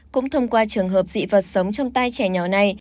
cũng thông qua trường hợp dị vật sống trong tay trẻ nhỏ này